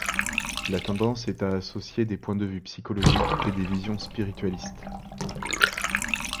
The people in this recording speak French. La tendance est à associer des points de vue psychologiques et des visions spiritualistes.